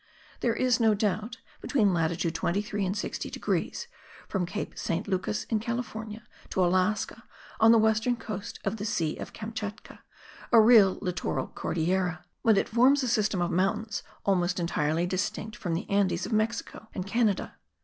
There is, no doubt, between latitude 23 and 60 degrees from Cape Saint Lucas in California, to Alaska on the western coast of the Sea of Kamschatka, a real littoral Cordillera; but it forms a system of mountains almost entirely distinct from the Andes of Mexico and Canada.